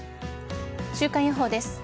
週間予報です。